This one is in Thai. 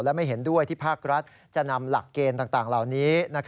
และไม่เห็นด้วยที่ภาครัฐจะนำหลักเกณฑ์ต่างเหล่านี้